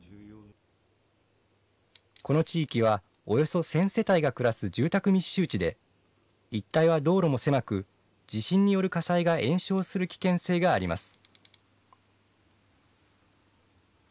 この地域は、およそ１０００世帯が暮らす住宅密集地で、一帯は道路も狭く、地震による火災が延焼する危険性があります。